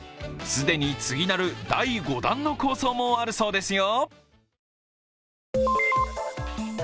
既に次なる第５弾の構想もあるそうですよ。